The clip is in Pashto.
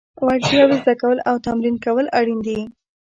وړتیاوې زده کول او تمرین کول اړین دي.